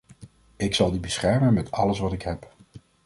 Ik zal die beschermen met alles wat ik heb.